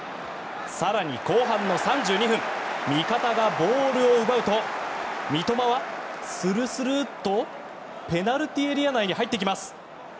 更に後半の３２分味方がボールを奪うと三笘はスルスルッとペナルティーエリア内に入っていきます。